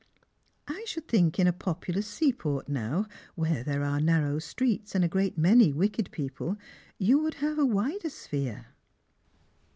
I should think in Strangers and Pilgrims. 41 a populous seaport, now, wliere there are narrow streets and a great many wicked people, you would have a wider sphere."